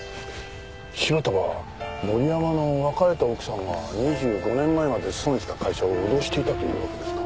柴田は森山の別れた奥さんが２５年前まで勤めてた会社を脅していたというわけですか。